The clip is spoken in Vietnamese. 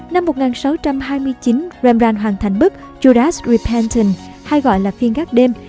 năm một nghìn sáu trăm hai mươi chín rembrandt hoàn thành bức judas repentant hay gọi là phiên gác đêm